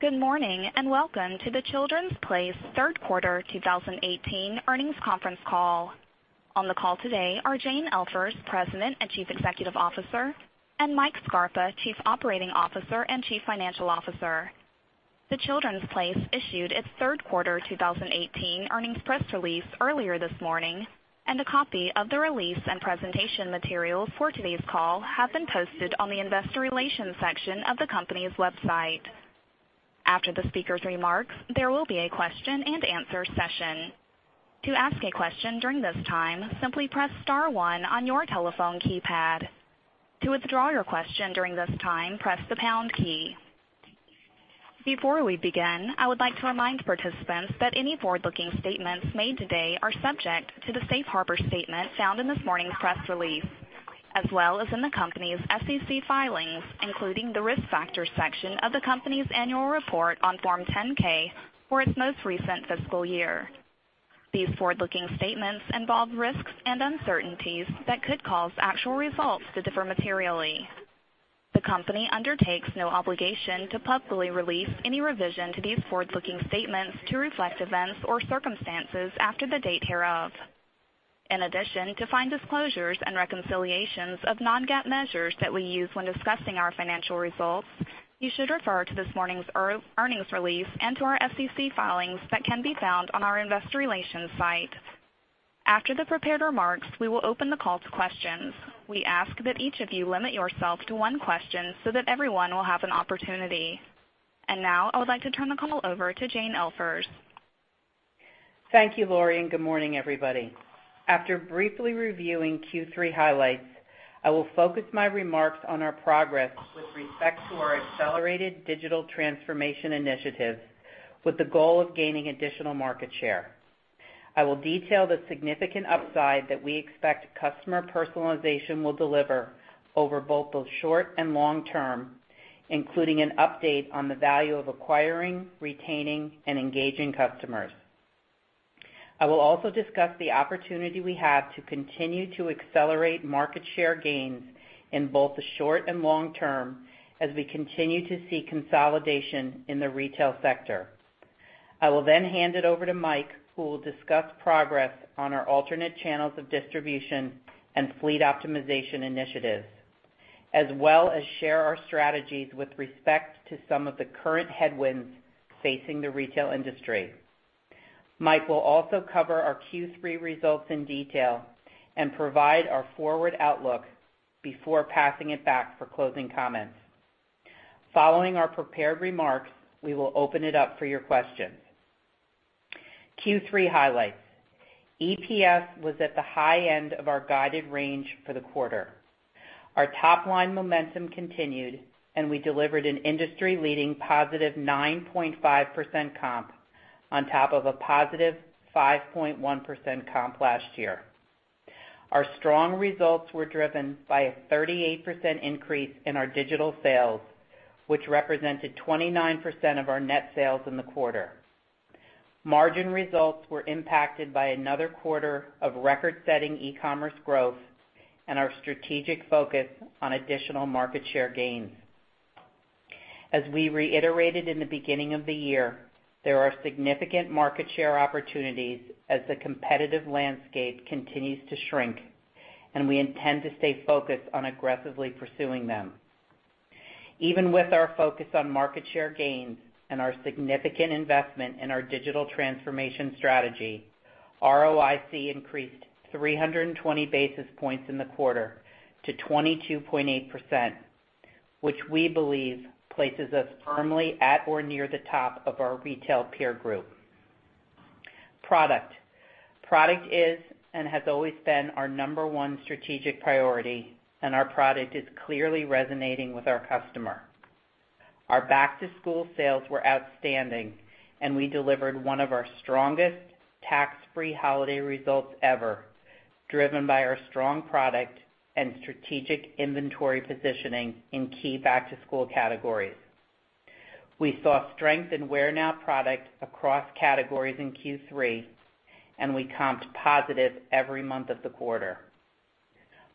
Good morning, and welcome to The Children’s Place third quarter 2018 earnings conference call. On the call today are Jane Elfers, President and Chief Executive Officer, and Mike Scarpa, Chief Operating Officer and Chief Financial Officer. The Children’s Place issued its third quarter 2018 earnings press release earlier this morning, and a copy of the release and presentation materials for today’s call have been posted on the investor relations section of the company’s website. After the speaker’s remarks, there will be a question and answer session. To ask a question during this time, simply press star one on your telephone keypad. To withdraw your question during this time, press the pound key. Before we begin, I would like to remind participants that any forward-looking statements made today are subject to the safe harbor statement found in this morning’s press release, as well as in the company’s SEC filings, including the Risk Factors section of the company’s annual report on Form 10-K for its most recent fiscal year. These forward-looking statements involve risks and uncertainties that could cause actual results to differ materially. The company undertakes no obligation to publicly release any revision to these forward-looking statements to reflect events or circumstances after the date hereof. In addition, to find disclosures and reconciliations of non-GAAP measures that we use when discussing our financial results, you should refer to this morning’s earnings release and to our SEC filings that can be found on our investor relations site. After the prepared remarks, we will open the call to questions. We ask that each of you limit yourself to one question so that everyone will have an opportunity. Now I would like to turn the call over to Jane Elfers. Thank you, Lori, and good morning, everybody. After briefly reviewing Q3 highlights, I will focus my remarks on our progress with respect to our accelerated digital transformation initiatives with the goal of gaining additional market share. I will detail the significant upside that we expect customer personalization will deliver over both the short and long term, including an update on the value of acquiring, retaining, and engaging customers. I will also discuss the opportunity we have to continue to accelerate market share gains in both the short and long term as we continue to see consolidation in the retail sector. I will then hand it over to Mike, who will discuss progress on our alternate channels of distribution and fleet optimization initiatives, as well as share our strategies with respect to some of the current headwinds facing the retail industry. Mike will also cover our Q3 results in detail and provide our forward outlook before passing it back for closing comments. Following our prepared remarks, we will open it up for your questions. Q3 highlights. EPS was at the high end of our guided range for the quarter. Our top-line momentum continued, and we delivered an industry-leading +9.5% comp on top of a +5.1% comp last year. Our strong results were driven by a 38% increase in our digital sales, which represented 29% of our net sales in the quarter. Margin results were impacted by another quarter of record-setting e-commerce growth and our strategic focus on additional market share gains. As we reiterated in the beginning of the year, there are significant market share opportunities as the competitive landscape continues to shrink, we intend to stay focused on aggressively pursuing them. Even with our focus on market share gains and our significant investment in our digital transformation strategy, ROIC increased 320 basis points in the quarter to 22.8%, which we believe places us firmly at or near the top of our retail peer group. Product. Product is and has always been our number one strategic priority, and our product is clearly resonating with our customer. Our back-to-school sales were outstanding, and we delivered one of our strongest tax-free holiday results ever, driven by our strong product and strategic inventory positioning in key back-to-school categories. We saw strength in wear-now product across categories in Q3, and we comped positive every month of the quarter.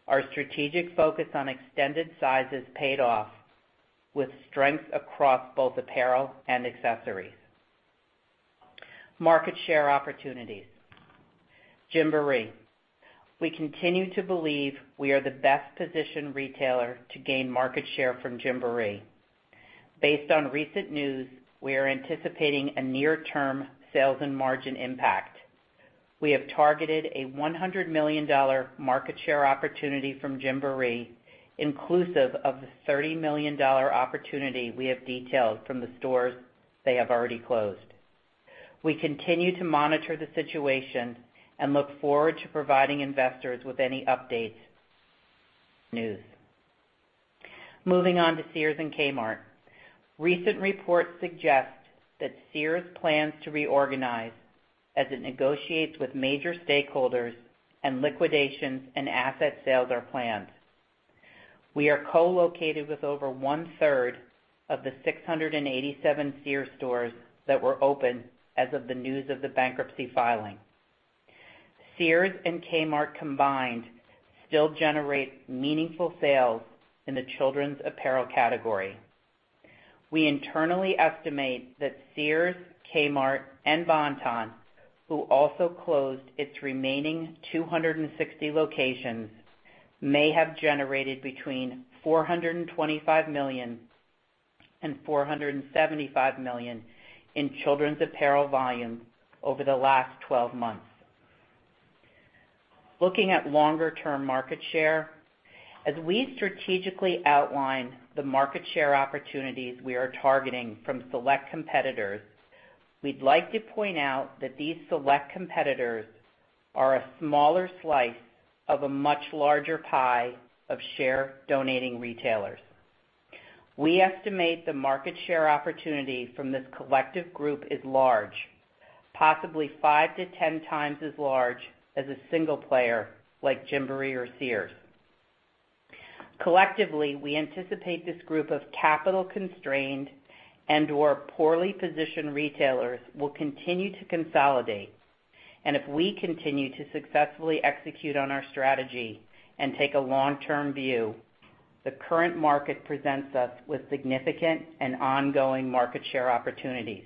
Our strategic focus on extended sizes paid off with strength across both apparel and accessories. Market share opportunities. Gymboree. We continue to believe we are the best-positioned retailer to gain market share from Gymboree. Based on recent news, we are anticipating a near-term sales and margin impact. We have targeted a $100 million market share opportunity from Gymboree, inclusive of the $30 million opportunity we have detailed from the stores they have already closed. We continue to monitor the situation and look forward to providing investors with any updates news. Moving on to Sears and Kmart. Recent reports suggest that Sears plans to reorganize as it negotiates with major stakeholders, liquidations and asset sales are planned. We are co-located with over one-third of the 687 Sears stores that were open as of the news of the bankruptcy filing. Sears and Kmart combined still generate meaningful sales in the children's apparel category. We internally estimate that Sears, Kmart, and Bon-Ton, who also closed its remaining 260 locations, may have generated between $425 million and $475 million in children's apparel volumes over the last 12 months. Looking at longer term market share, as we strategically outline the market share opportunities we are targeting from select competitors, we'd like to point out that these select competitors are a smaller slice of a much larger pie of share-donating retailers. We estimate the market share opportunity from this collective group is large, possibly 5-10 times as large as a single player like Gymboree or Sears. Collectively, we anticipate this group of capital-constrained and/or poorly positioned retailers will continue to consolidate. If we continue to successfully execute on our strategy and take a long-term view, the current market presents us with significant and ongoing market share opportunities.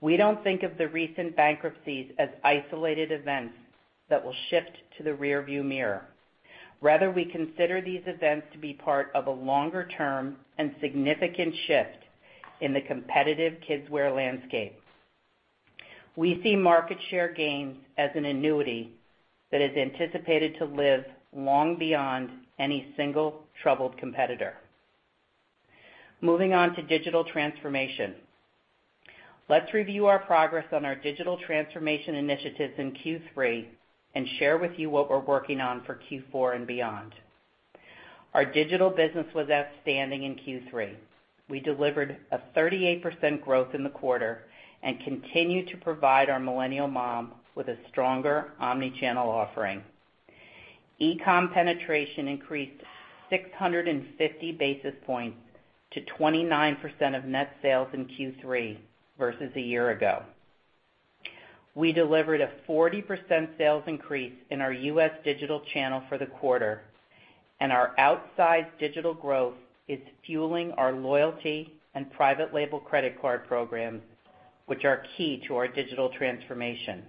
We don't think of the recent bankruptcies as isolated events that will shift to the rearview mirror. Rather, we consider these events to be part of a longer term and significant shift in the competitive kidswear landscape. We see market share gains as an annuity that is anticipated to live long beyond any single troubled competitor. Moving on to digital transformation. Let's review our progress on our digital transformation initiatives in Q3 and share with you what we're working on for Q4 and beyond. Our digital business was outstanding in Q3. We delivered a 38% growth in the quarter and continue to provide our millennial mom with a stronger omnichannel offering. E-com penetration increased 650 basis points to 29% of net sales in Q3 versus a year ago. We delivered a 40% sales increase in our U.S. digital channel for the quarter. Our outsized digital growth is fueling our loyalty and private label credit card programs, which are key to our digital transformation.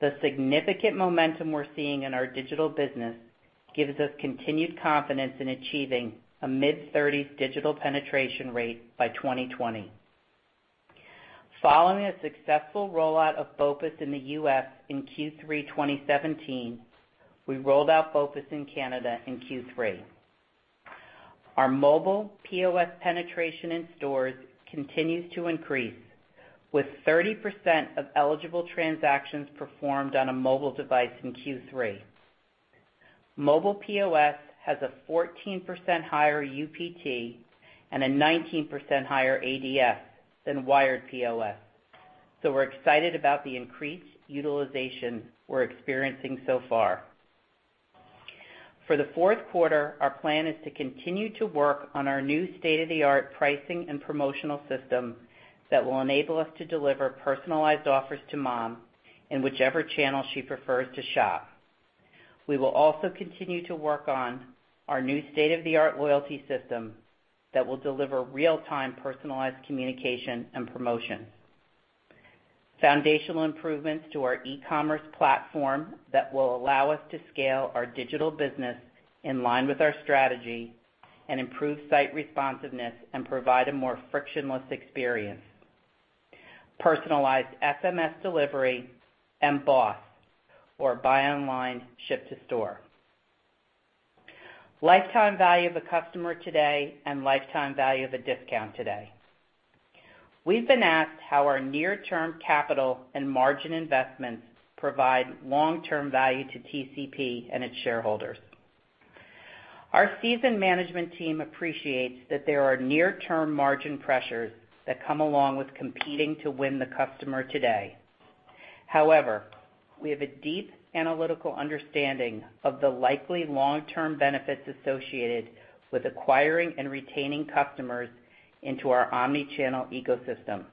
The significant momentum we're seeing in our digital business gives us continued confidence in achieving a mid-thirties digital penetration rate by 2020. Following a successful rollout of Focus in the U.S. in Q3 2017, we rolled out Focus in Canada in Q3. Our mobile POS penetration in stores continues to increase, with 30% of eligible transactions performed on a mobile device in Q3. Mobile POS has a 14% higher UPT and a 19% higher ADF than wired POS. We're excited about the increased utilization we're experiencing so far. For the fourth quarter, our plan is to continue to work on our new state-of-the-art pricing and promotional system that will enable us to deliver personalized offers to mom in whichever channel she prefers to shop. We will also continue to work on our new state-of-the-art loyalty system that will deliver real-time personalized communication and promotion. Foundational improvements to our e-commerce platform that will allow us to scale our digital business in line with our strategy and improve site responsiveness and provide a more frictionless experience, personalized SMS delivery, and BOSS or Buy Online, Ship to Store. Lifetime value of a customer today and lifetime value of a discount today. We've been asked how our near-term capital and margin investments provide long-term value to TCP and its shareholders. Our seasoned management team appreciates that there are near-term margin pressures that come along with competing to win the customer today. However, we have a deep analytical understanding of the likely long-term benefits associated with acquiring and retaining customers into our omnichannel ecosystem.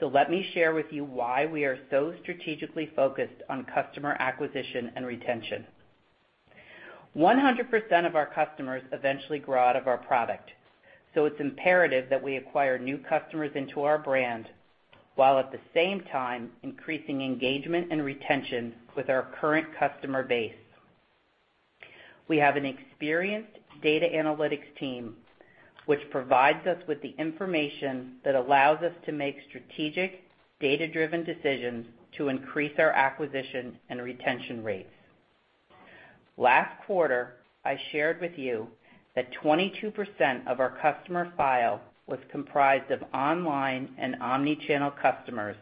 Let me share with you why we are so strategically focused on customer acquisition and retention. 100% of our customers eventually grow out of our product, so it's imperative that we acquire new customers into our brand, while at the same time, increasing engagement and retention with our current customer base. We have an experienced data analytics team which provides us with the information that allows us to make strategic, data-driven decisions to increase our acquisition and retention rates. Last quarter, I shared with you that 22% of our customer file was comprised of online and omni-channel customers,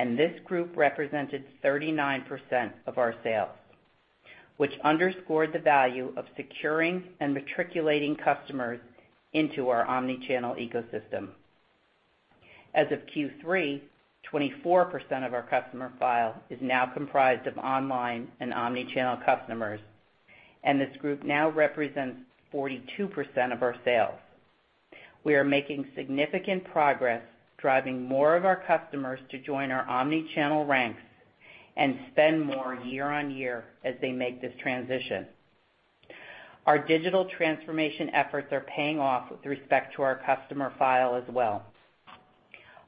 and this group represented 39% of our sales, which underscored the value of securing and matriculating customers into our omni-channel ecosystem. As of Q3, 24% of our customer file is now comprised of online and omni-channel customers, and this group now represents 42% of our sales. We are making significant progress driving more of our customers to join our omni-channel ranks and spend more year-on-year as they make this transition. Our digital transformation efforts are paying off with respect to our customer file as well.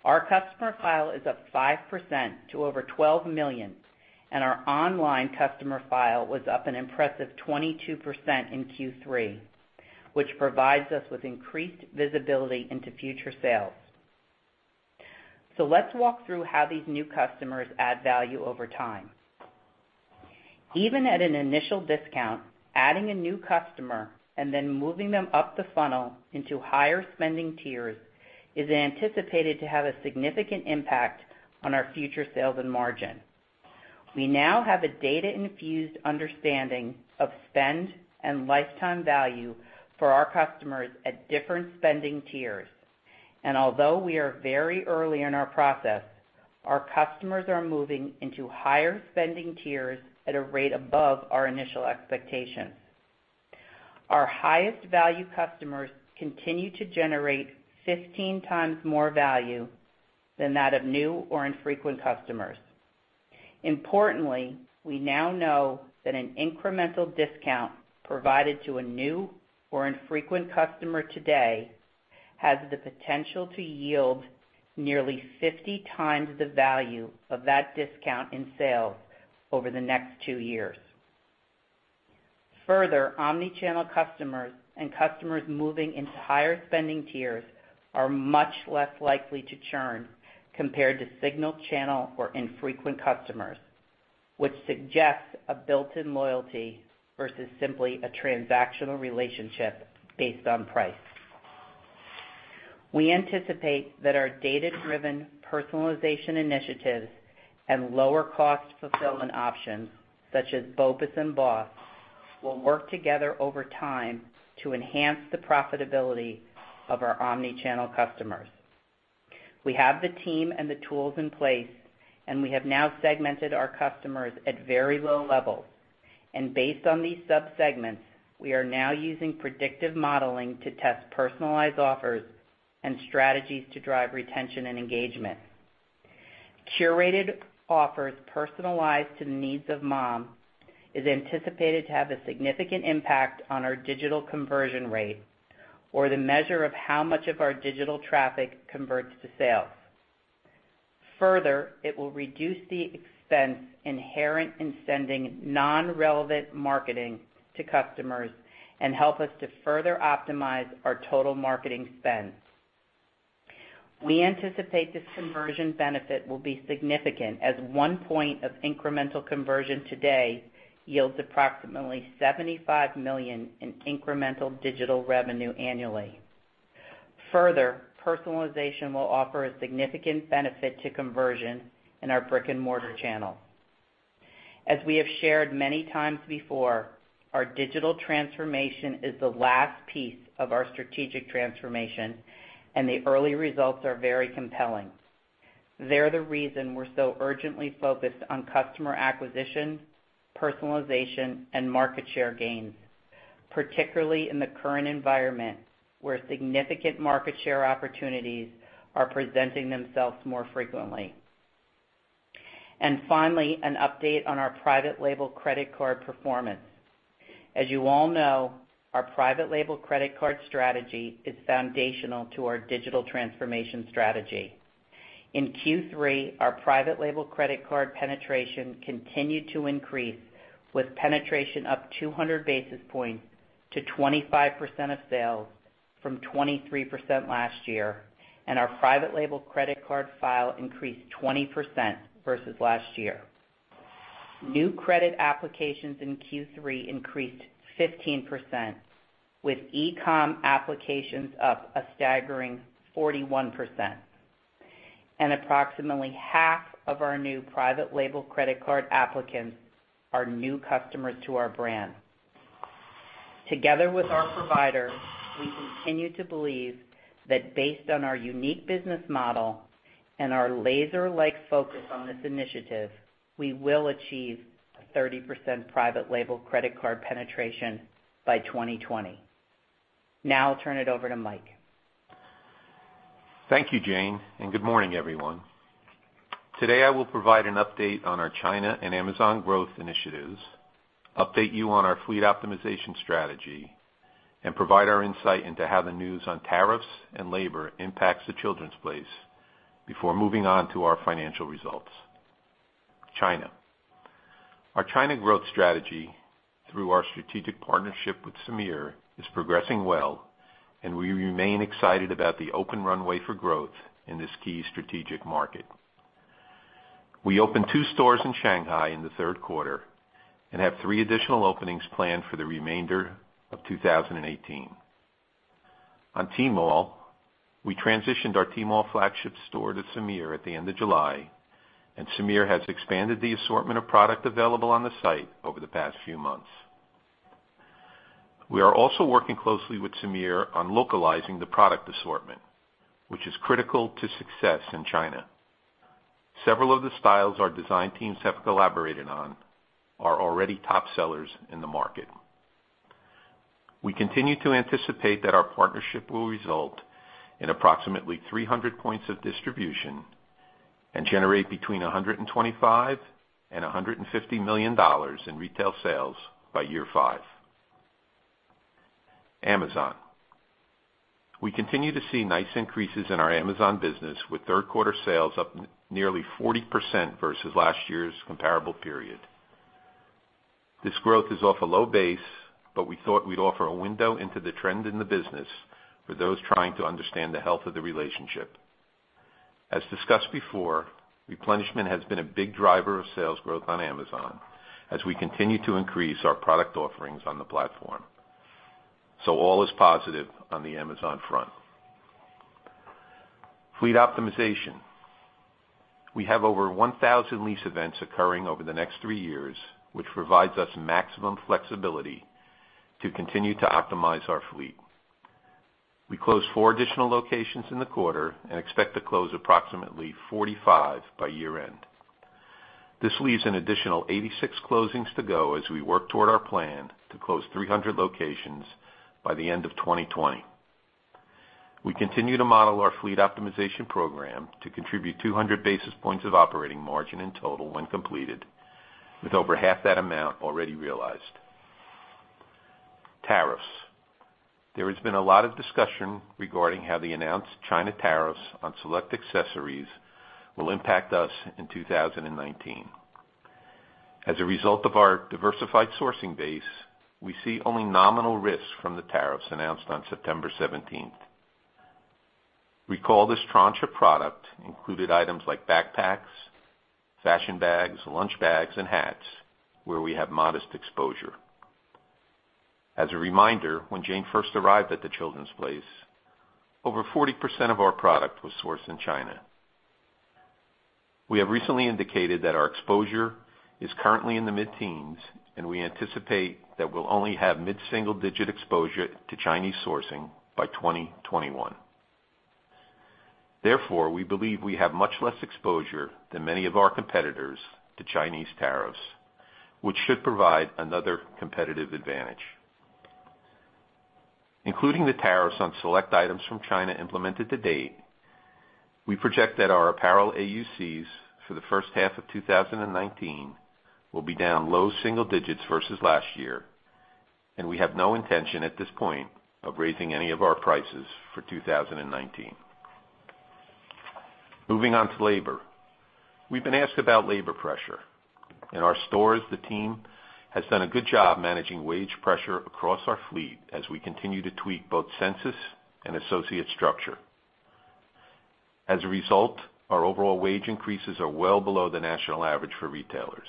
Our customer file is up 5% to over 12 million, and our online customer file was up an impressive 22% in Q3, which provides us with increased visibility into future sales. Let's walk through how these new customers add value over time. Even at an initial discount, adding a new customer and then moving them up the funnel into higher spending tiers is anticipated to have a significant impact on our future sales and margin. We now have a data-infused understanding of spend and lifetime value for our customers at different spending tiers. Although we are very early in our process, our customers are moving into higher spending tiers at a rate above our initial expectations. Our highest value customers continue to generate 15 times more value than that of new or infrequent customers. Importantly, we now know that an incremental discount provided to a new or infrequent customer today has the potential to yield nearly 50 times the value of that discount in sales over the next two years. Further, omni-channel customers and customers moving into higher spending tiers are much less likely to churn compared to single channel or infrequent customers, which suggests a built-in loyalty versus simply a transactional relationship based on price. We anticipate that our data-driven personalization initiatives and lower cost fulfillment options such as BOPUS and BOSS will work together over time to enhance the profitability of our omni-channel customers. We have the team and the tools in place, we have now segmented our customers at very low levels. Based on these sub-segments, we are now using predictive modeling to test personalized offers and strategies to drive retention and engagement. Curated offers personalized to the needs of mom is anticipated to have a significant impact on our digital conversion rate, or the measure of how much of our digital traffic converts to sales. Further, it will reduce the expense inherent in sending non-relevant marketing to customers and help us to further optimize our total marketing spend. We anticipate this conversion benefit will be significant, as one point of incremental conversion today yields approximately $75 million in incremental digital revenue annually. Further, personalization will offer a significant benefit to conversion in our brick-and-mortar channel. As we have shared many times before, our digital transformation is the last piece of our strategic transformation, the early results are very compelling. They're the reason we're so urgently focused on customer acquisition, personalization, and market share gains, particularly in the current environment, where significant market share opportunities are presenting themselves more frequently. Finally, an update on our private label credit card performance. As you all know, our private label credit card strategy is foundational to our digital transformation strategy. In Q3, our private label credit card penetration continued to increase, with penetration up 200 basis points to 25% of sales from 23% last year, and our private label credit card file increased 20% versus last year. New credit applications in Q3 increased 15%, with e-com applications up a staggering 41%. Approximately half of our new private label credit card applicants are new customers to our brand. Together with our provider, we continue to believe that based on our unique business model and our laser-like focus on this initiative, we will achieve a 30% private label credit card penetration by 2020. Now I'll turn it over to Mike. Thank you, Jane, and good morning, everyone. Today, I will provide an update on our China and Amazon growth initiatives, update you on our fleet optimization strategy, and provide our insight into how the news on tariffs and labor impacts The Children’s Place before moving on to our financial results. China. Our China growth strategy through our strategic partnership with Semir is progressing well, and we remain excited about the open runway for growth in this key strategic market. We opened two stores in Shanghai in the third quarter and have three additional openings planned for the remainder of 2018. On Tmall, we transitioned our Tmall flagship store to Semir at the end of July, and Semir has expanded the assortment of product available on the site over the past few months. We are also working closely with Semir on localizing the product assortment, which is critical to success in China. Several of the styles our design teams have collaborated on are already top sellers in the market. We continue to anticipate that our partnership will result in approximately 300 points of distribution and generate between $125 million and $150 million in retail sales by year five. Amazon. We continue to see nice increases in our Amazon business, with third-quarter sales up nearly 40% versus last year's comparable period. This growth is off a low base, but we thought we'd offer a window into the trend in the business for those trying to understand the health of the relationship. As discussed before, replenishment has been a big driver of sales growth on Amazon as we continue to increase our product offerings on the platform. All is positive on the Amazon front. Fleet optimization. We have over 1,000 lease events occurring over the next three years, which provides us maximum flexibility to continue to optimize our fleet. We closed four additional locations in the quarter and expect to close approximately 45 by year-end. This leaves an additional 86 closings to go as we work toward our plan to close 300 locations by the end of 2020. We continue to model our fleet optimization program to contribute 200 basis points of operating margin in total when completed, with over half that amount already realized. Tariffs. There has been a lot of discussion regarding how the announced China tariffs on select accessories will impact us in 2019. As a result of our diversified sourcing base, we see only nominal risk from the tariffs announced on September 17th. Recall, this tranche of product included items like backpacks, fashion bags, lunch bags, and hats, where we have modest exposure. As a reminder, when Jane first arrived at The Children’s Place, over 40% of our product was sourced in China. We have recently indicated that our exposure is currently in the mid-teens, and we anticipate that we’ll only have mid-single-digit exposure to Chinese sourcing by 2021. Therefore, we believe we have much less exposure than many of our competitors to Chinese tariffs, which should provide another competitive advantage. Including the tariffs on select items from China implemented to date, we project that our apparel AUCs for the first half of 2019 will be down low single digits versus last year, and we have no intention at this point of raising any of our prices for 2019. Moving on to labor. We’ve been asked about labor pressure. In our stores, the team has done a good job managing wage pressure across our fleet as we continue to tweak both census and associate structure. As a result, our overall wage increases are well below the national average for retailers.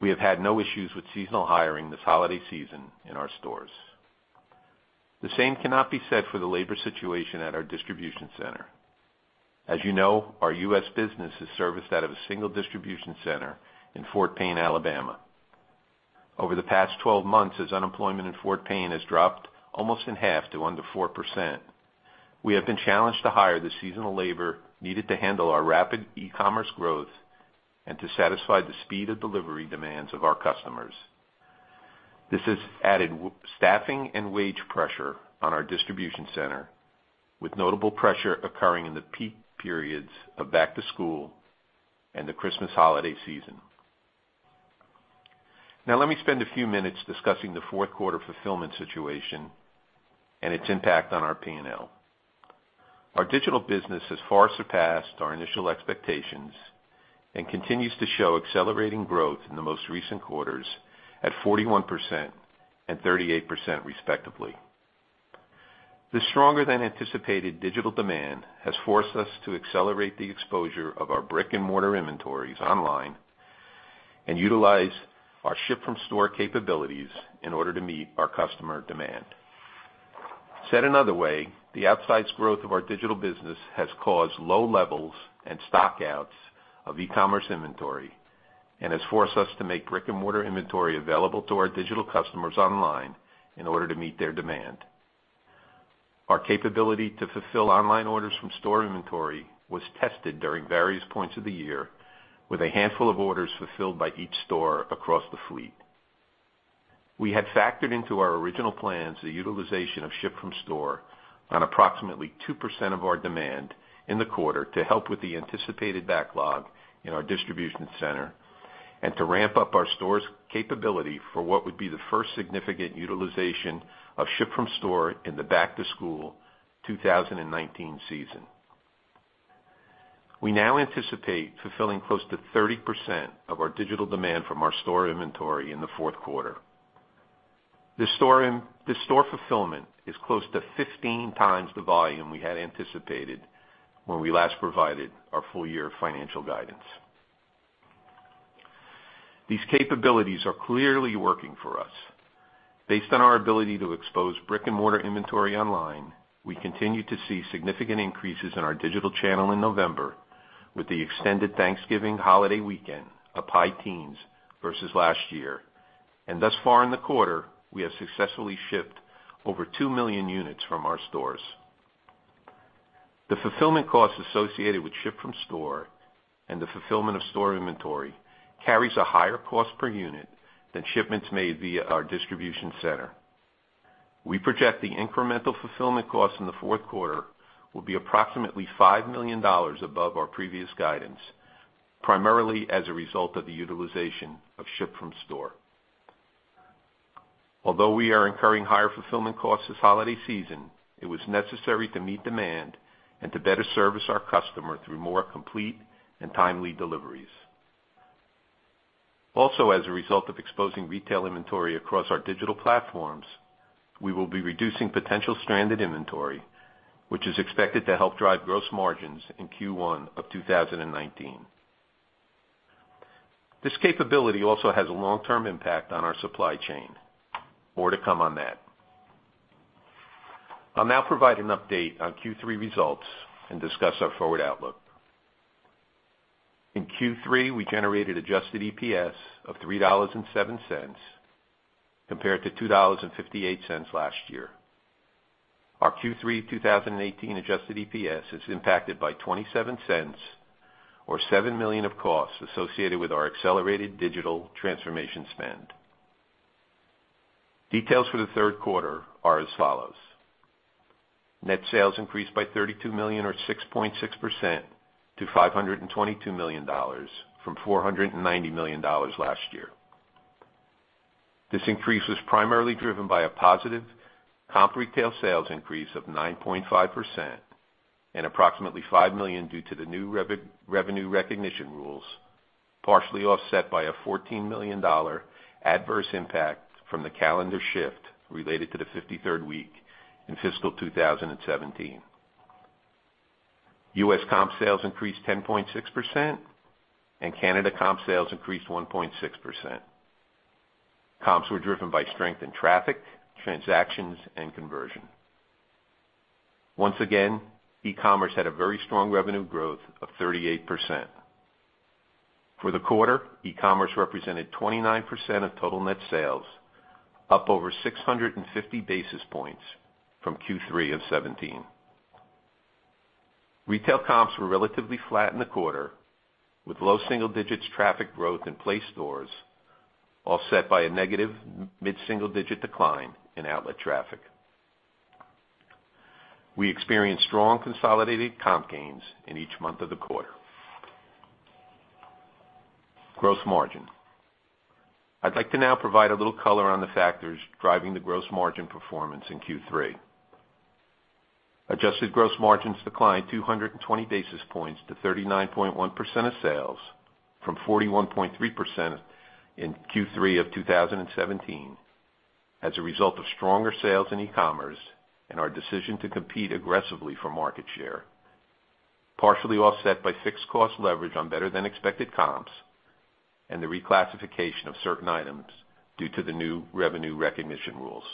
We have had no issues with seasonal hiring this holiday season in our stores. The same cannot be said for the labor situation at our distribution center. As you know, our U.S. business is serviced out of a single distribution center in Fort Payne, Alabama. Over the past 12 months, as unemployment in Fort Payne has dropped almost in half to under 4%, we have been challenged to hire the seasonal labor needed to handle our rapid e-commerce growth and to satisfy the speed of delivery demands of our customers. This has added staffing and wage pressure on our distribution center, with notable pressure occurring in the peak periods of back to school and the Christmas holiday season. Let me spend a few minutes discussing the fourth quarter fulfillment situation and its impact on our P&L. Our digital business has far surpassed our initial expectations and continues to show accelerating growth in the most recent quarters at 41% and 38% respectively. The stronger-than-anticipated digital demand has forced us to accelerate the exposure of our brick-and-mortar inventories online and utilize our ship-from-store capabilities in order to meet our customer demand. Said another way, the outsized growth of our digital business has caused low levels and stock-outs of e-commerce inventory and has forced us to make brick-and-mortar inventory available to our digital customers online in order to meet their demand. Our capability to fulfill online orders from store inventory was tested during various points of the year with a handful of orders fulfilled by each store across the fleet. We had factored into our original plans the utilization of ship-from-store on approximately 2% of our demand in the quarter to help with the anticipated backlog in our distribution center and to ramp up our store’s capability for what would be the first significant utilization of ship-from-store in the back-to-school 2019 season. We anticipate fulfilling close to 30% of our digital demand from our store inventory in the fourth quarter. The store fulfillment is close to 15 times the volume we had anticipated when we last provided our full-year financial guidance. These capabilities are clearly working for us. Based on our ability to expose brick-and-mortar inventory online, we continue to see significant increases in our digital channel in November with the extended Thanksgiving holiday weekend, up high teens versus last year. Thus far in the quarter, we have successfully shipped over 2 million units from our stores. The fulfillment costs associated with ship-from-store and the fulfillment of store inventory carries a higher cost per unit than shipments made via our distribution center. We project the incremental fulfillment cost in the fourth quarter will be approximately $5 million above our previous guidance, primarily as a result of the utilization of ship-from-store. Although we are incurring higher fulfillment costs this holiday season, it was necessary to meet demand and to better service our customer through more complete and timely deliveries. As a result of exposing retail inventory across our digital platforms, we will be reducing potential stranded inventory, which is expected to help drive gross margins in Q1 of 2019. This capability also has a long-term impact on our supply chain. More to come on that. I'll now provide an update on Q3 results and discuss our forward outlook. In Q3, we generated adjusted EPS of $3.07 compared to $2.58 last year. Our Q3 2018 adjusted EPS is impacted by $0.27 or $7 million of costs associated with our accelerated digital transformation spend. Details for the third quarter are as follows. Net sales increased by $32 million or 6.6% to $522 million from $490 million last year. This increase was primarily driven by a positive comp retail sales increase of 9.5% and approximately $5 million due to the new revenue recognition rules, partially offset by a $14 million adverse impact from the calendar shift related to the 53rd week in fiscal 2017. U.S. comp sales increased 10.6%, and Canada comp sales increased 1.6%. Comps were driven by strength in traffic, transactions, and conversion. Once again, e-commerce had a very strong revenue growth of 38%. For the quarter, e-commerce represented 29% of total net sales, up over 650 basis points from Q3 of 2017. Retail comps were relatively flat in the quarter, with low single digits traffic growth in place stores, offset by a negative mid-single-digit decline in outlet traffic. We experienced strong consolidated comp gains in each month of the quarter. Gross margin. I'd like to now provide a little color on the factors driving the gross margin performance in Q3. Adjusted gross margins declined 220 basis points to 39.1% of sales from 41.3% in Q3 of 2017 as a result of stronger sales in e-commerce and our decision to compete aggressively for market share, partially offset by fixed cost leverage on better-than-expected comps and the reclassification of certain items due to the new revenue recognition rules.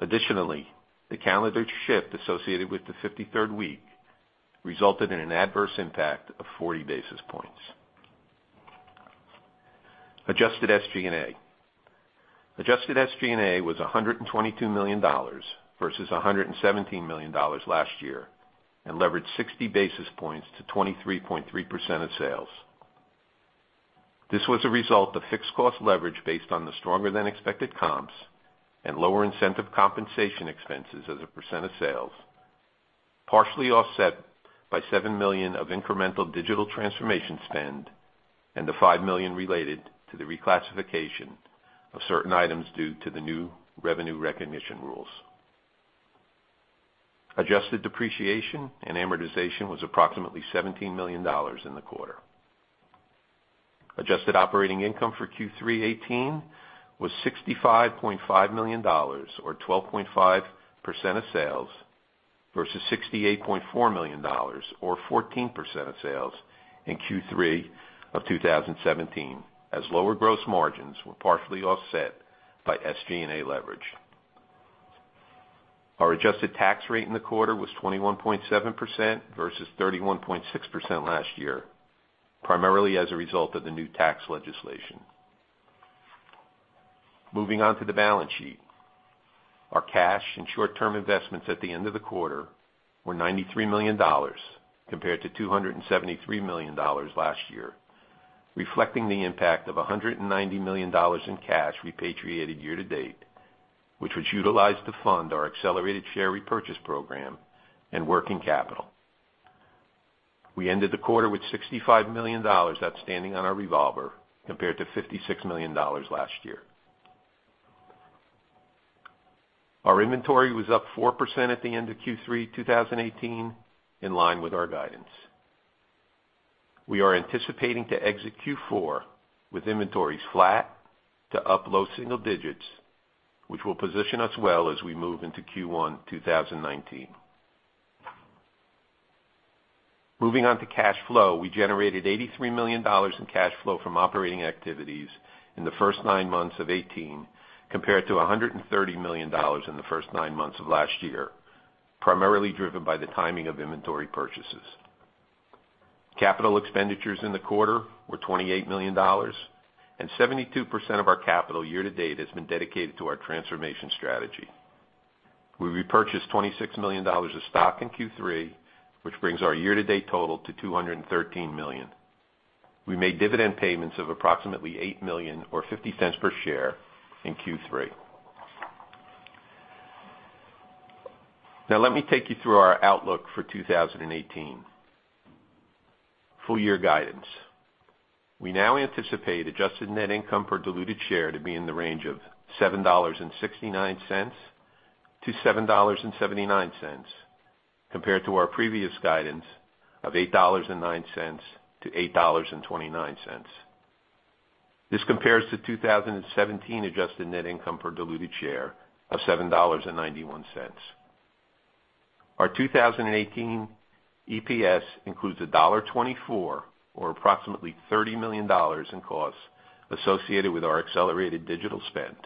Additionally, the calendar shift associated with the 53rd week resulted in an adverse impact of 40 basis points. Adjusted SG&A. Adjusted SG&A was $122 million versus $117 million last year and leveraged 60 basis points to 23.3% of sales. This was a result of fixed cost leverage based on the stronger-than-expected comps and lower incentive compensation expenses as a percent of sales, partially offset by $7 million of incremental digital transformation spend and the $5 million related to the reclassification of certain items due to the new revenue recognition rules. Adjusted depreciation and amortization was approximately $17 million in the quarter. Adjusted operating income for Q3 2018 was $65.5 million, or 12.5% of sales, versus $68.4 million, or 14% of sales, in Q3 of 2017 as lower gross margins were partially offset by SG&A leverage. Our adjusted tax rate in the quarter was 21.7% versus 31.6% last year, primarily as a result of the new tax legislation. Moving on to the balance sheet. Our cash and short-term investments at the end of the quarter were $93 million, compared to $273 million last year, reflecting the impact of $190 million in cash repatriated year-to-date, which was utilized to fund our accelerated share repurchase program and working capital. We ended the quarter with $65 million outstanding on our revolver, compared to $56 million last year. Our inventory was up 4% at the end of Q3 2018, in line with our guidance. We are anticipating to exit Q4 with inventories flat to up low single digits, which will position us well as we move into Q1 2019. Moving on to cash flow. We generated $83 million in cash flow from operating activities in the first nine months of 2018, compared to $130 million in the first nine months of last year, primarily driven by the timing of inventory purchases. Capital expenditures in the quarter were $28 million, and 72% of our capital year-to-date has been dedicated to our transformation strategy. We repurchased $26 million of stock in Q3, which brings our year-to-date total to $213 million. We made dividend payments of approximately $8 million or $0.50 per share in Q3. Now let me take you through our outlook for 2018. Full year guidance. We now anticipate adjusted net income per diluted share to be in the range of $7.69-$7.79, compared to our previous guidance of $8.09-$8.29. This compares to 2017 adjusted net income per diluted share of $7.91. Our 2018 EPS includes $1.24, or approximately $30 million in costs associated with our accelerated digital spend.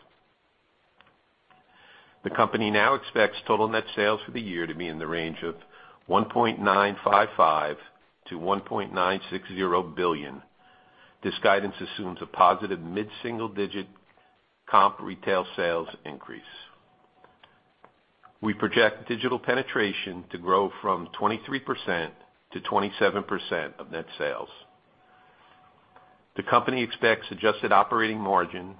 The company now expects total net sales for the year to be in the range of $1.955 billion-$1.960 billion. This guidance assumes a positive mid-single-digit comp retail sales increase. We project digital penetration to grow from 23% to 27% of net sales. The company expects adjusted operating margins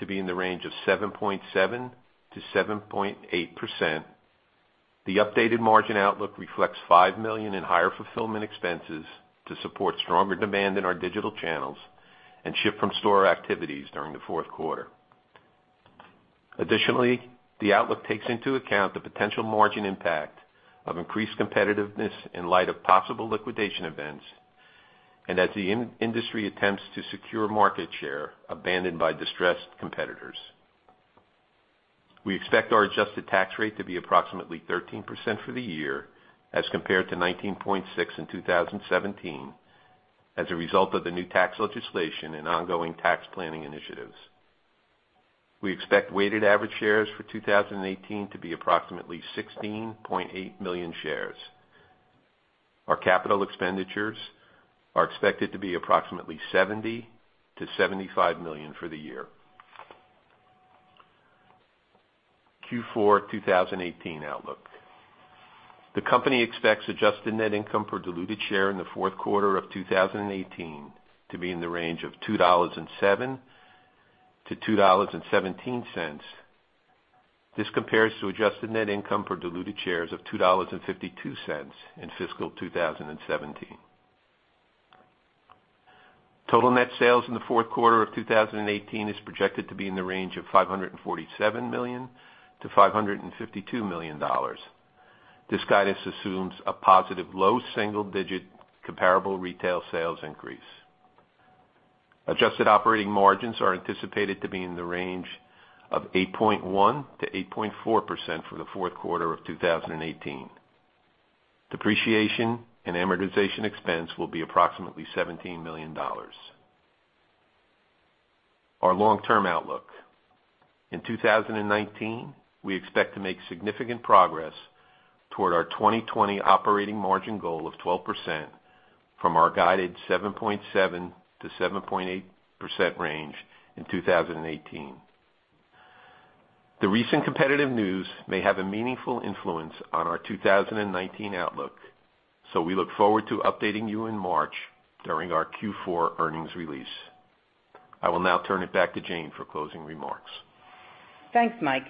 to be in the range of 7.7%-7.8%. The updated margin outlook reflects $5 million in higher fulfillment expenses to support stronger demand in our digital channels and ship-from-store activities during the fourth quarter. Additionally, the outlook takes into account the potential margin impact of increased competitiveness in light of possible liquidation events and as the industry attempts to secure market share abandoned by distressed competitors. We expect our adjusted tax rate to be approximately 13% for the year, as compared to 19.6% in 2017, as a result of the new tax legislation and ongoing tax planning initiatives. We expect weighted average shares for 2018 to be approximately 16.8 million shares. Our capital expenditures are expected to be approximately $70 million-$75 million for the year. Q4 2018 outlook. The company expects adjusted net income per diluted share in the fourth quarter of 2018 to be in the range of $2.07-$2.17. This compares to adjusted net income per diluted shares of $2.52 in fiscal 2017. Total net sales in the fourth quarter of 2018 is projected to be in the range of $547 million-$552 million. This guidance assumes a positive low single-digit comparable retail sales increase. Adjusted operating margins are anticipated to be in the range of 8.1%-8.4% for the fourth quarter of 2018. Depreciation and amortization expense will be approximately $17 million. Our long-term outlook. In 2019, we expect to make significant progress toward our 2020 operating margin goal of 12% from our guided 7.7%-7.8% range in 2018. The recent competitive news may have a meaningful influence on our 2019 outlook. We look forward to updating you in March during our Q4 earnings release. I will now turn it back to Jane for closing remarks. Thanks, Mike.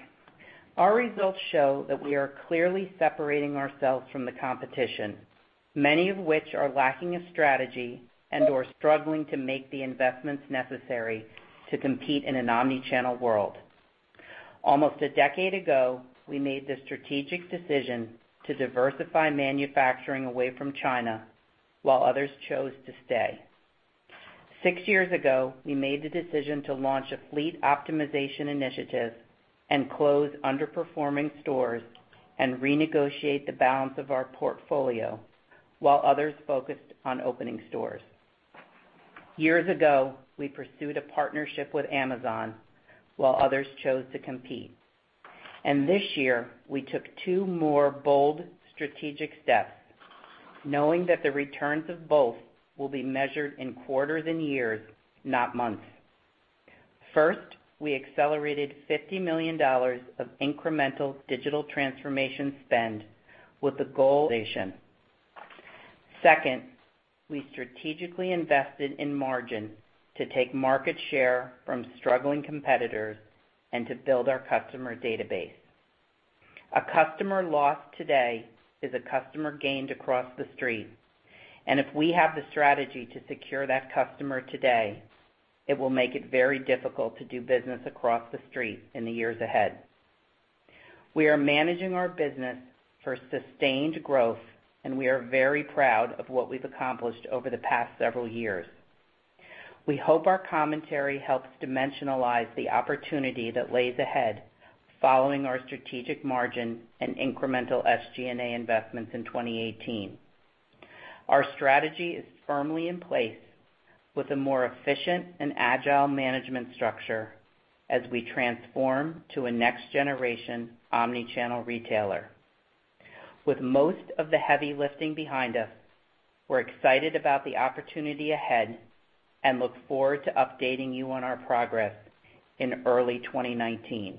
Our results show that we are clearly separating ourselves from the competition, many of which are lacking a strategy and/or struggling to make the investments necessary to compete in an omni-channel world. Almost a decade ago, we made the strategic decision to diversify manufacturing away from China while others chose to stay. Six years ago, we made the decision to launch a fleet optimization initiative and close underperforming stores and renegotiate the balance of our portfolio while others focused on opening stores. Years ago, we pursued a partnership with Amazon while others chose to compete. This year, we took two more bold strategic steps, knowing that the returns of both will be measured in quarters and years, not months. First, we accelerated $50 million of incremental digital transformation spend with the goal of innovation. Second, we strategically invested in margin to take market share from struggling competitors and to build our customer database. A customer lost today is a customer gained across the street, and if we have the strategy to secure that customer today, it will make it very difficult to do business across the street in the years ahead. We are managing our business for sustained growth, and we are very proud of what we've accomplished over the past several years. We hope our commentary helps dimensionalize the opportunity that lays ahead following our strategic margin and incremental SG&A investments in 2018. Our strategy is firmly in place. With a more efficient and agile management structure as we transform to a next generation omni-channel retailer. With most of the heavy lifting behind us, we're excited about the opportunity ahead and look forward to updating you on our progress in early 2019.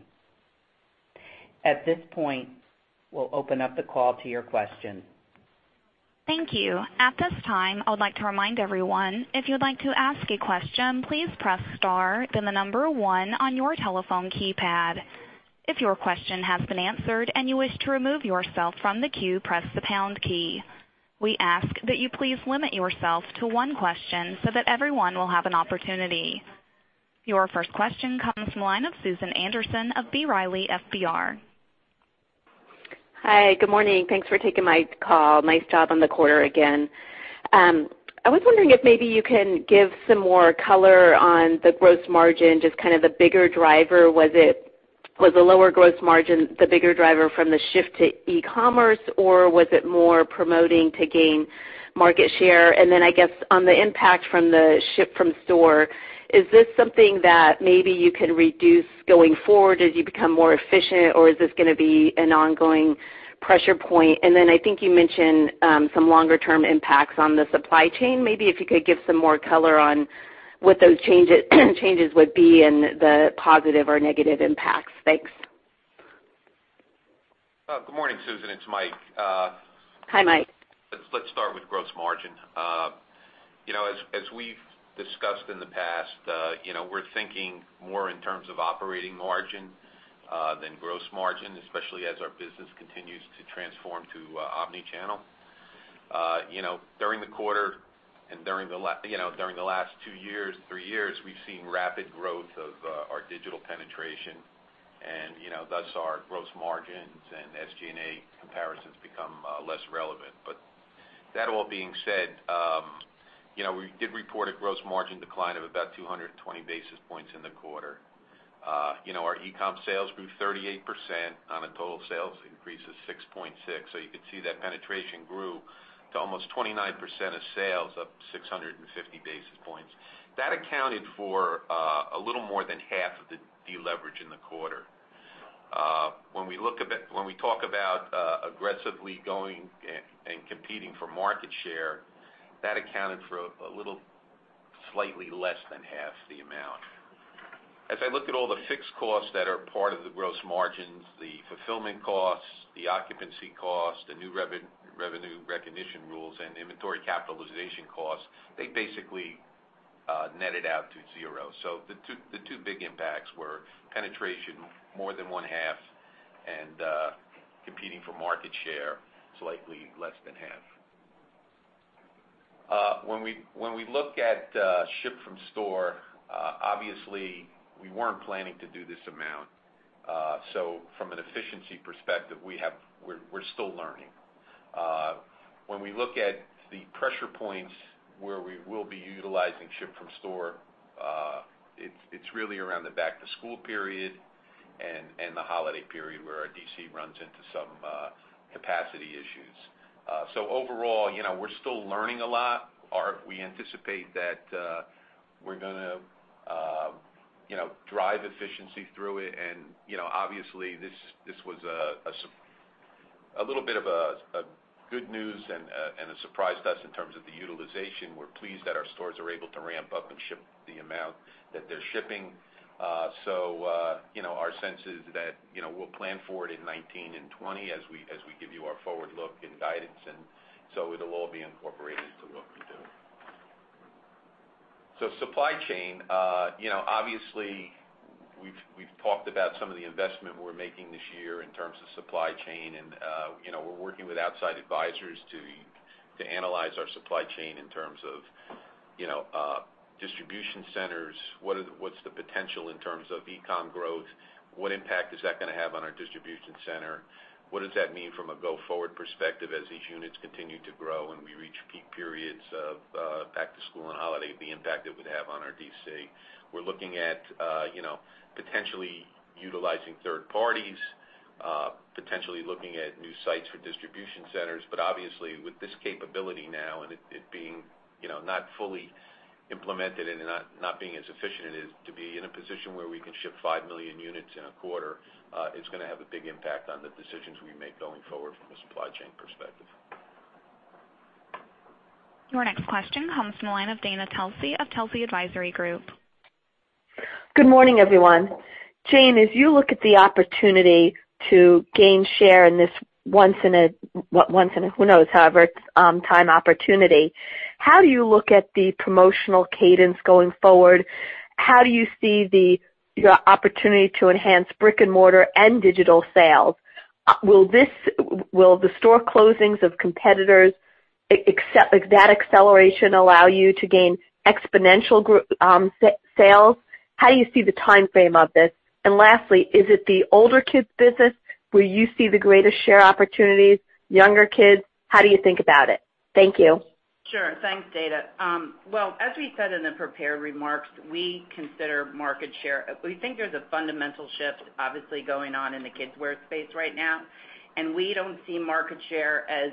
At this point, we'll open up the call to your questions. Thank you. At this time, I would like to remind everyone, if you'd like to ask a question, please press star, then the number one on your telephone keypad. If your question has been answered and you wish to remove yourself from the queue, press the pound key. We ask that you please limit yourself to one question so that everyone will have an opportunity. Your first question comes from the line of Susan Anderson of B. Riley FBR. Hi. Good morning. Thanks for taking my call. Nice job on the quarter again. I was wondering if maybe you can give some more color on the gross margin, just kind of the bigger driver. Was the lower gross margin the bigger driver from the shift to e-commerce, or was it more promoting to gain market share? Then I guess on the impact from the ship-from-store, is this something that maybe you can reduce going forward as you become more efficient, or is this going to be an ongoing pressure point? Then I think you mentioned some longer-term impacts on the supply chain. Maybe if you could give some more color on what those changes would be and the positive or negative impacts. Thanks. Good morning, Susan. It's Mike. Hi, Mike. Let's start with gross margin. You know, as we've discussed in the past, we're thinking more in terms of operating margin than gross margin, especially as our business continues to transform through omni-channel. You know, during the quarter and during the last two years, three years, we've seen rapid growth of our digital penetration. And, you know, thus our gross margins and SG&A have become less relevant. That all being said, we did report a gross margin decline of about 220 basis points in the quarter. Our e-com sales grew 38% on a total sales increase of 6.6%. You could see that penetration grew to almost 29% of sales, up 650 basis points. That accounted for a little more than half of the deleverage in the quarter. When we talk about aggressively going and competing for market share, that accounted for a little slightly less than half the amount. As I look at all the fixed costs that are part of the gross margins, the fulfillment costs, the occupancy costs, the new revenue recognition rules, and inventory capitalization costs, they basically netted out to zero. The two big impacts were penetration more than one half and competing for market share slightly less than half. When we look at ship-from-store, obviously, we weren't planning to do this amount. From an efficiency perspective, we're still learning. When we look at the pressure points where we will be utilizing ship-from-store, it's really around the back-to-school period and the holiday period where our DC runs into some capacity issues. Overall, we're still learning a lot. We anticipate that we're going to drive efficiency through it, and obviously, this was a little bit of a good news and a surprise to us in terms of the utilization. We're pleased that our stores are able to ramp up and ship the amount that they're shipping. Our sense is that we'll plan for it in 2019 and 2020 as we give you our forward look in guidance, it'll all be incorporated into what we do. Supply chain. Obviously, we've talked about some of the investment we're making this year in terms of supply chain, and we're working with outside advisors to analyze our supply chain in terms of distribution centers. What's the potential in terms of e-com growth? What impact is that going to have on our distribution center? What does that mean from a go-forward perspective as these units continue to grow and we reach peak periods of back to school and holiday, the impact it would have on our DC? We're looking at potentially utilizing third parties, potentially looking at new sites for distribution centers. Obviously with this capability now and it being not fully implemented and not being as efficient as to be in a position where we can ship 5 million units in a quarter, it's going to have a big impact on the decisions we make going forward from a supply chain perspective. Your next question comes from the line of Dana Telsey of Telsey Advisory Group. Good morning, everyone. Jane, as you look at the opportunity to gain share in this who knows, however, time opportunity, how do you look at the promotional cadence going forward? How do you see your opportunity to enhance brick and mortar and digital sales? Will the store closings of competitors, that acceleration allow you to gain exponential sales? How do you see the timeframe of this? Lastly, is it the older kids business where you see the greatest share opportunities, younger kids? How do you think about it? Thank you. Sure. Thanks, Dana. Well, as we said in the prepared remarks, we consider market share. We think there's a fundamental shift, obviously, going on in the kids' wear space right now, and we don't see market share as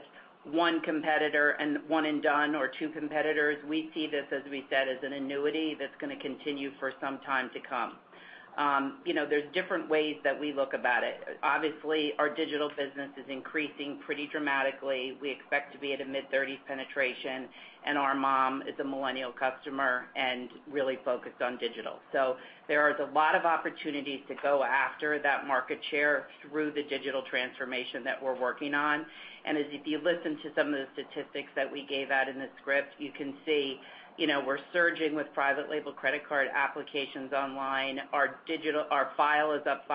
one competitor and one and done or two competitors. We see this, as we said, as an annuity that's going to continue for some time to come. There's different ways that we look about it. Obviously, our digital business is increasing pretty dramatically. We expect to be at a mid-30s penetration, and our mom is a millennial customer and really focused on digital. There is a lot of opportunities to go after that market share through the digital transformation that we're working on. As if you listen to some of the statistics that we gave out in the script, you can see we're surging with private label credit card applications online. Our file is up 5%,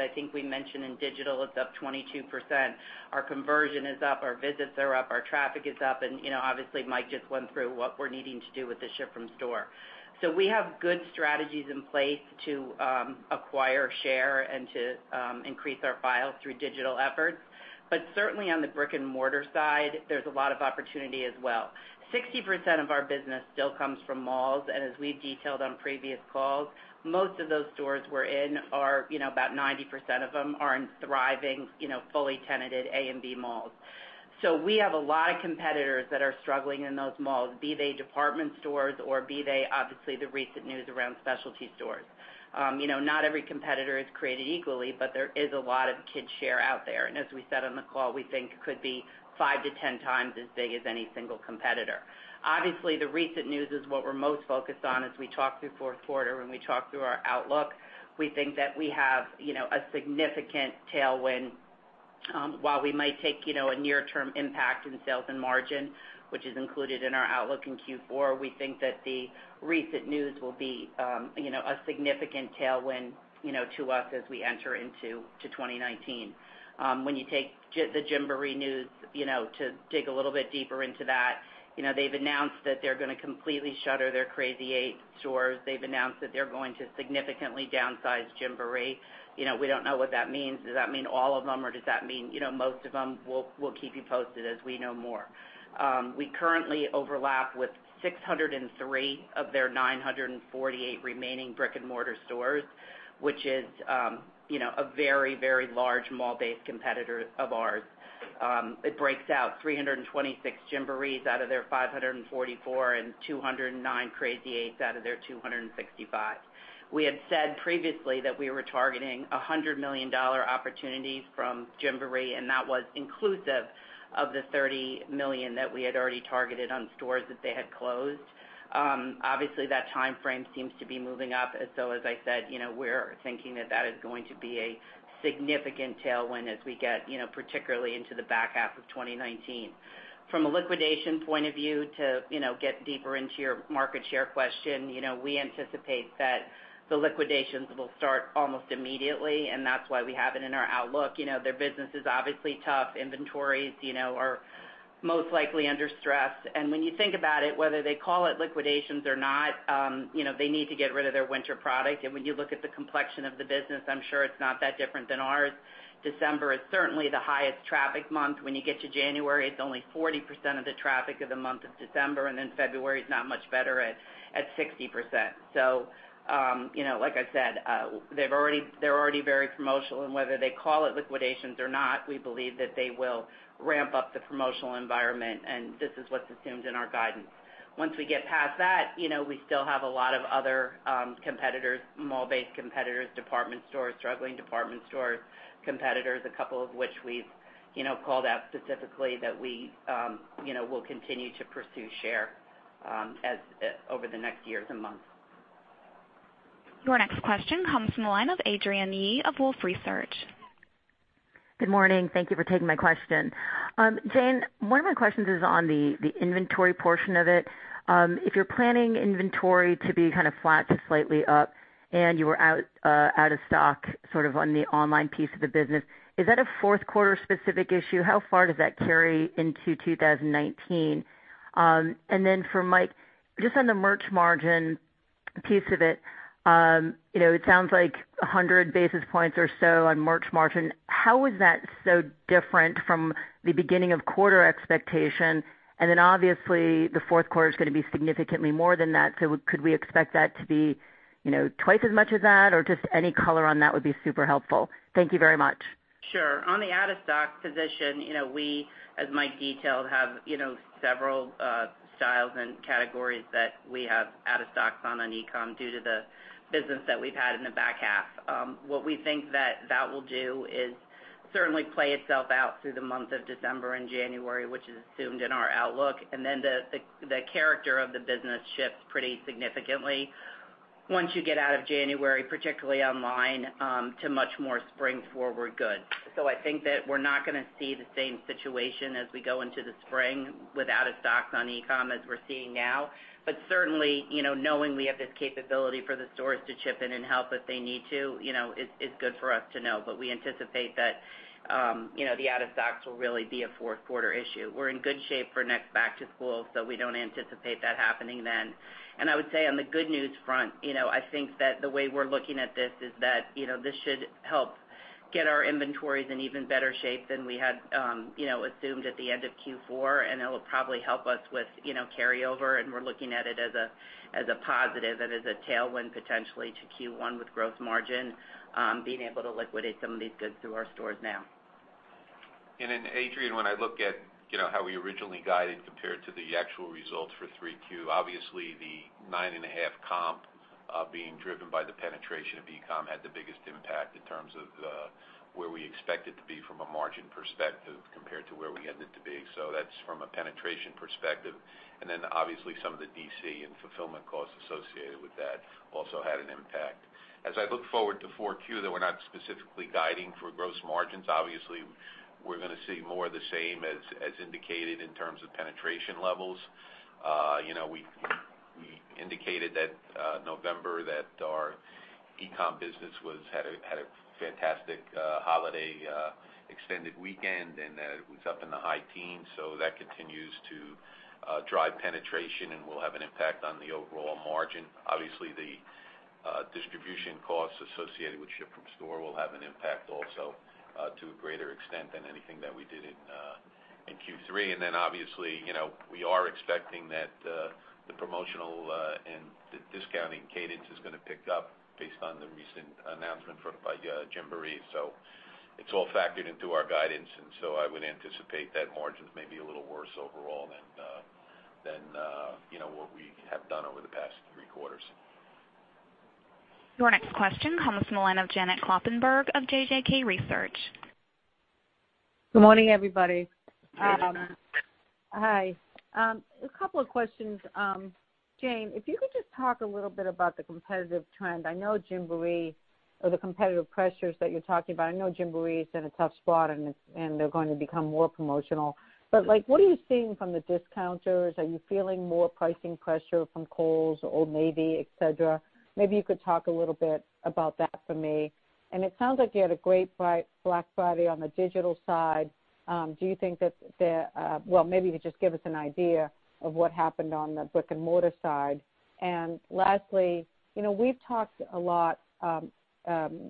I think we mentioned in digital it's up 22%. Our conversion is up, our visits are up, our traffic is up, and obviously, Mike just went through what we're needing to do with the ship-from-store. We have good strategies in place to acquire, share, and to increase our files through digital efforts. Certainly on the brick and mortar side, there's a lot of opportunity as well. 60% of our business still comes from malls, and as we've detailed on previous calls, most of those stores we're in are, about 90% of them are in thriving, fully tenanted A and B malls. We have a lot of competitors that are struggling in those malls, be they department stores or be they, obviously, the recent news around specialty stores. Not every competitor is created equally, but there is a lot of kids share out there. As we said on the call, we think could be 5-10 times as big as any single competitor. Obviously, the recent news is what we're most focused on as we talk through fourth quarter, when we talk through our outlook. We think that we have a significant tailwind. While we might take a near term impact in sales and margin, which is included in our outlook in Q4, we think that the recent news will be a significant tailwind to us as we enter into 2019. When you take the Gymboree news, to dig a little bit deeper into that. They've announced that they're going to completely shutter their Crazy 8 stores. They've announced that they're going to significantly downsize Gymboree. We don't know what that means. Does that mean all of them or does that mean most of them? We'll keep you posted as we know more. We currently overlap with 603 of their 948 remaining brick and mortar stores, which is a very large mall based competitor of ours. It breaks out 326 Gymborees out of their 544 and 209 Crazy 8s out of their 265. We had said previously that we were targeting $100 million opportunities from Gymboree, and that was inclusive of the $30 million that we had already targeted on stores that they had closed. Obviously, that timeframe seems to be moving up. As I said, we're thinking that that is going to be a significant tailwind as we get particularly into the back half of 2019. From a liquidation point of view to get deeper into your market share question, we anticipate that the liquidations will start almost immediately, and that's why we have it in our outlook. Their business is obviously tough. Inventories are most likely under stress. When you think about it, whether they call it liquidations or not, they need to get rid of their winter product. When you look at the complexion of the business, I'm sure it's not that different than ours. December is certainly the highest traffic month. When you get to January, it's only 40% of the traffic of the month of December, then February is not much better at 60%. Like I said, they're already very promotional. Whether they call it liquidations or not, we believe that they will ramp up the promotional environment, and this is what's assumed in our guidance. Once we get past that, we still have a lot of other competitors, mall-based competitors, department stores, struggling department stores, competitors, a couple of which we've called out specifically that we will continue to pursue share over the next years and months. Your next question comes from the line of Adrienne Yih of Wolfe Research. Good morning. Thank you for taking my question. Jane, one of my questions is on the inventory portion of it. If you're planning inventory to be kind of flat to slightly up and you were out of stock sort of on the online piece of the business, is that a fourth quarter specific issue? How far does that carry into 2019? Then for Mike, just on the merch margin piece of it. It sounds like 100 basis points or so on merch margin. How is that so different from the beginning-of-quarter expectation? Then obviously the fourth quarter is going to be significantly more than that. Could we expect that to be twice times as much as that or just any color on that would be super helpful. Thank you very much. Sure. On the out-of-stock position, we, as Mike detailed, have several styles and categories that we have out-of-stocks on in e-com due to the business that we've had in the back half. What we think that that will do is certainly play itself out through the month of December and January, which is assumed in our outlook. Then the character of the business shifts pretty significantly once you get out of January, particularly online, to much more spring-forward goods. I think that we're not going to see the same situation as we go into the spring with out-of-stocks on e-com as we're seeing now. Certainly, knowing we have this capability for the stores to chip in and help if they need to, it's good for us to know. We anticipate that the out of stocks will really be a fourth quarter issue. We're in good shape for next back to school, we don't anticipate that happening then. I would say on the good news front, I think that the way we're looking at this is that this should help get our inventories in even better shape than we had assumed at the end of Q4, it'll probably help us with carry over, we're looking at it as a positive and as a tailwind, potentially, to Q1 with gross margin, being able to liquidate some of these goods through our stores now. Adrienne, when I look at how we originally guided compared to the actual results for 3Q, obviously the 9.5 comp being driven by the penetration of e-com had the biggest impact in terms of where we expect it to be from a margin perspective compared to where we ended to be. That's from a penetration perspective. Obviously some of the DC and fulfillment costs associated with that also had an impact. As I look forward to 4Q, though we're not specifically guiding for gross margins, obviously, we're going to see more of the same as indicated in terms of penetration levels. We indicated that November that our e-com business had a fantastic holiday extended weekend, it was up in the high teens. That continues to drive penetration and will have an impact on the overall margin. Obviously, the distribution costs associated with ship-from-store will have an impact also to a greater extent than anything that we did in Q3. Obviously, we are expecting that the promotional and the discounting cadence is going to pick up based on the recent announcement by Gymboree. It's all factored into our guidance. I would anticipate that margins may be a little worse overall than what we have done over the past three quarters. Your next question comes from the line of Janet Kloppenburg of JJK Research. Good morning, everybody. Hi Janet. Hi. A couple of questions. Jane, if you could just talk a little bit about the competitive trend. I know Gymboree or the competitive pressures that you're talking about. I know Gymboree is in a tough spot, and they're going to become more promotional. What are you seeing from the discounters? Are you feeling more pricing pressure from Kohl's, Old Navy, et cetera? Maybe you could talk a little bit about that for me. It sounds like you had a great Black Friday on the digital side. Maybe you just give us an idea of what happened on the brick and mortar side. Lastly, we've talked a lot in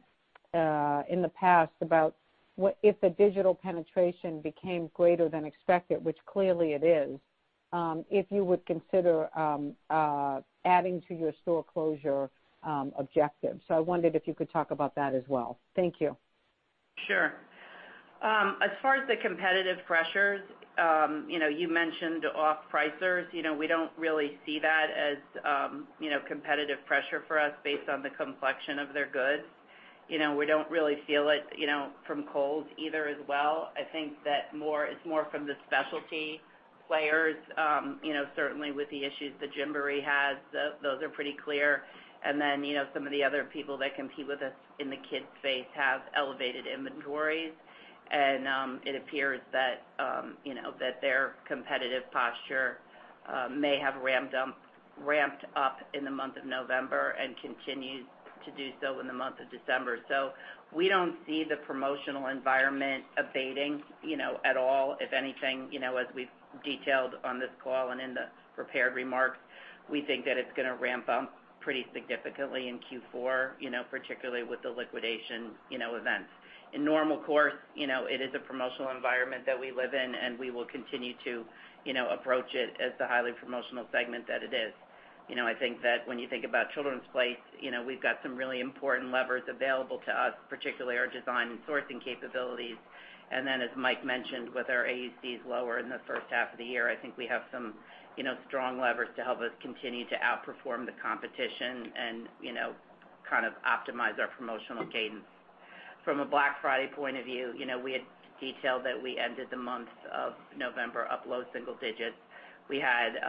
the past about what if the digital penetration became greater than expected, which clearly it is, if you would consider adding to your store closure objectives. I wondered if you could talk about that as well. Thank you. Sure. As far as the competitive pressures, you mentioned off-pricers. We don't really see that as competitive pressure for us based on the complexion of their goods. We don't really feel it from Kohl's either as well. I think that it's more from the specialty players. Certainly, with the issues that Gymboree has, those are pretty clear. Some of the other people that compete with us in the kids space have elevated inventories, and it appears that their competitive posture may have ramped up in the month of November and continues to do so in the month of December. We don't see the promotional environment abating at all. If anything, as we've detailed on this call and in the prepared remarks, we think that it's going to ramp up pretty significantly in Q4, particularly with the liquidation events. In normal course, it is a promotional environment that we live in, we will continue to approach it as the highly promotional segment that it is. I think that when you think about The Children's Place, we've got some really important levers available to us, particularly our design and sourcing capabilities. As Mike mentioned, with our AUCs lower in the first half of the year, I think we have some strong levers to help us continue to outperform the competition and kind of optimize our promotional cadence. From a Black Friday point of view, we had detailed that we ended the month of November up low single digits. We had,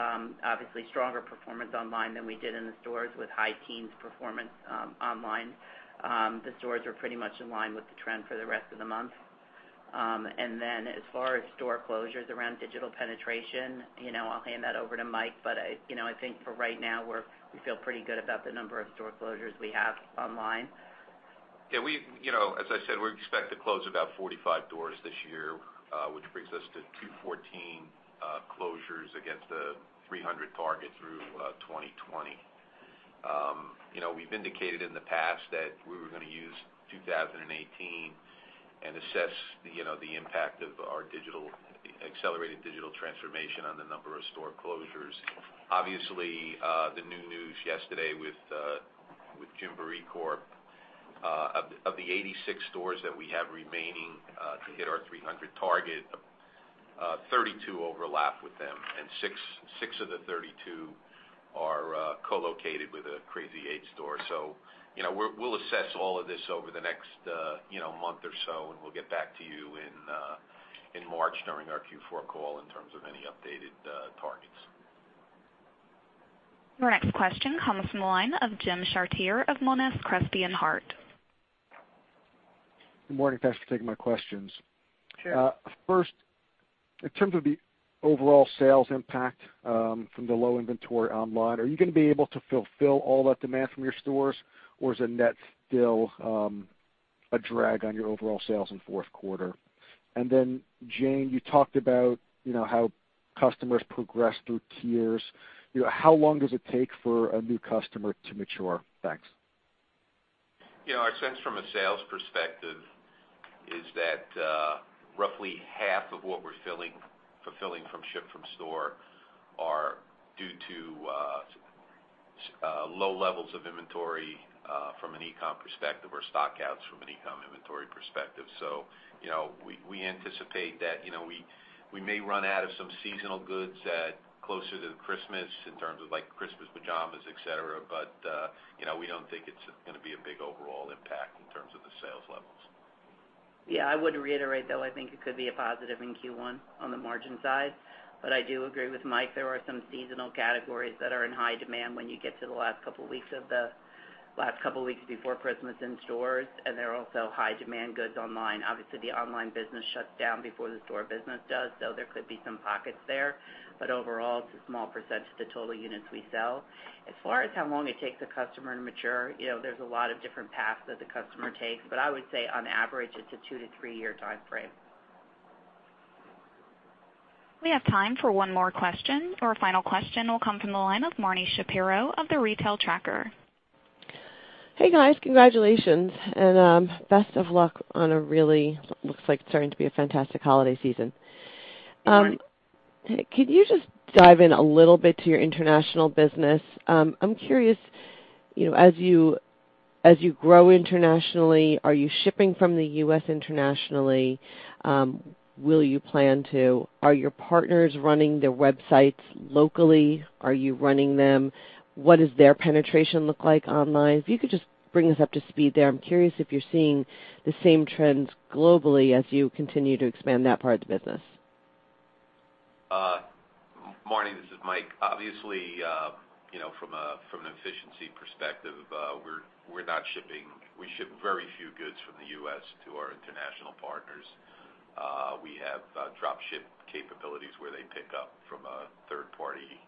obviously, stronger performance online than we did in the stores with high teens performance online. The stores were pretty much in line with the trend for the rest of the month. As far as store closures around digital penetration, I'll hand that over to Mike. I think for right now, we feel pretty good about the number of store closures we have online. As I said, we expect to close about 45 doors this year, which brings us to 214 closures against a 300 target through 2020. We've indicated in the past that we were going to use 2018 and assess the impact of our accelerated digital transformation on the number of store closures. Obviously, the new news yesterday with Gymboree Corp, of the 86 stores that we have remaining to hit our 300 target, 32 overlap with them, and six of the 32 are co-located with a Crazy 8 store. We'll assess all of this over the next month or so, and we'll get back to you in March during our Q4 call in terms of any updated targets. Your next question comes from the line of Jim Chartier of Monness, Crespi, Hardt. Good morning. Thanks for taking my questions. Sure. In terms of the overall sales impact from the low inventory online, are you going to be able to fulfill all that demand from your stores, or is the net still a drag on your overall sales in fourth quarter? Jane, you talked about how customers progress through tiers. How long does it take for a new customer to mature? Thanks. Our sense from a sales perspective is that roughly half of what we're fulfilling from ship-from-store are due to low levels of inventory from an e-com perspective or stock outs from an e-com inventory perspective. We anticipate that we may run out of some seasonal goods closer to Christmas in terms of Christmas pajamas, et cetera. We don't think it's going to be a big overall impact in terms of the sales levels. Yeah, I would reiterate, though, I think it could be a positive in Q1 on the margin side. I do agree with Mike, there are some seasonal categories that are in high demand when you get to the last couple of weeks before Christmas in stores, and they're also high demand goods online. Obviously, the online business shuts down before the store business does, there could be some pockets there. Overall, it's a small percentage of the total units we sell. As far as how long it takes a customer to mature, there's a lot of different paths that the customer takes. I would say on average, it's a two to three-year time frame. We have time for one more question. Our final question will come from the line of Marni Shapiro of The Retail Tracker. Hey, guys. Congratulations, and best of luck on a really, looks like it's starting to be a fantastic holiday season. Thanks. Could you just dive in a little bit to your international business? I'm curious, as you grow internationally, are you shipping from the U.S. internationally? Will you plan to? Are your partners running their websites locally? Are you running them? What does their penetration look like online? If you could just bring us up to speed there. I'm curious if you're seeing the same trends globally as you continue to expand that part of the business. Marni, this is Mike. Obviously, from an efficiency perspective, we ship very few goods from the U.S. to our international partners. We have drop ship capabilities where they pick up from a third party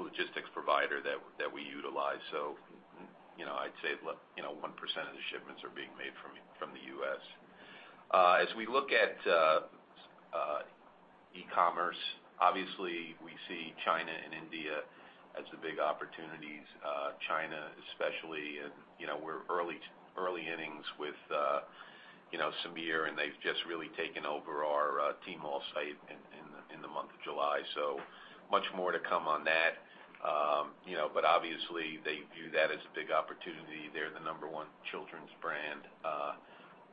logistics provider that we utilize. I'd say 1% of the shipments are being made from the U.S. As we look at e-commerce, obviously, we see China and India as the big opportunities, China especially. We're early innings with Semir, and they've just really taken over our Tmall site in the month of July. Much more to come on that. Obviously, they view that as a big opportunity. They're the number one children's brand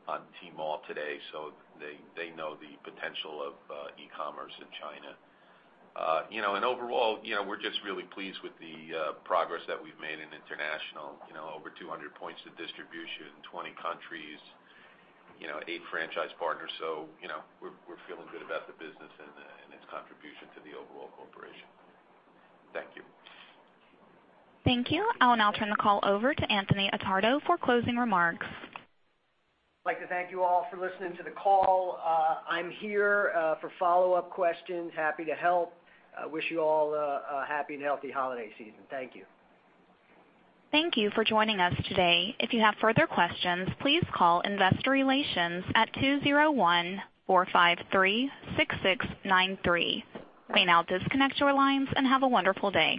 on Tmall today. They know the potential of e-commerce in China. Overall, we're just really pleased with the progress that we've made in international. Over 200 points of distribution in 20 countries, eight franchise partners. We're feeling good about the business and its contribution to the overall corporation. Thank you. Thank you. I will now turn the call over to Anthony Attardo for closing remarks. I'd like to thank you all for listening to the call. I'm here for follow-up questions. Happy to help. Wish you all a happy and healthy holiday season. Thank you. Thank you for joining us today. If you have further questions, please call investor relations at 201-453-6693. We now disconnect your lines and have a wonderful day.